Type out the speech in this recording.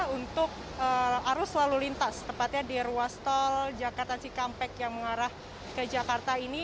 untuk arus lalu lintas tepatnya di ruas tol jakarta cikampek yang mengarah ke jakarta ini